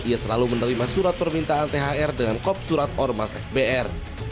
ia selalu menerima surat permintaan thr dengan kop surat ormas fbr